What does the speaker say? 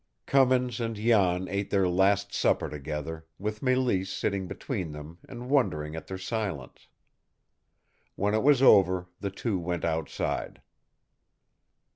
Cummins and Jan ate their last supper together, with Mélisse sitting between them and wondering at their silence. When it was over, the two went outside.